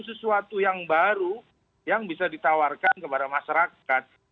sesuatu yang baru yang bisa ditawarkan kepada masyarakat